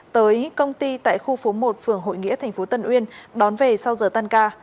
tới công ty tại khu phố một phường hội nghĩa tp tân uyên đón về sau giờ tan ca